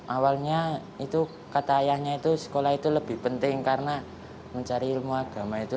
awalnya itu kata ayahnya itu sekolah itu lebih penting karena mencari ilmu agama itu